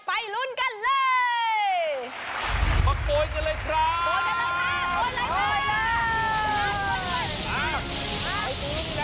ไปลุ้นกันเลย